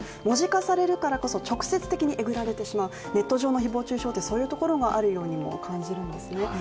文字化されるからこそ、直接的にえぐられてしまう、ネット上の誹謗中傷ってそういうところがあるようにも感じるんですね。